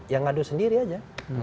yang ngadu sendiri aja